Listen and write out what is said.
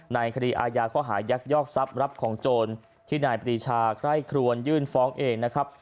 ในคดีอาญาข้อหายักยอกทรัพย์รับของโจรที่นายปรีชาไคร่ครวนยื่นฟ้องเองนะครับ